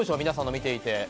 皆さんの見ていて。